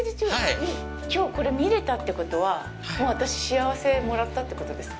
きょう見れたってことはもう私、幸せもらったってことですか。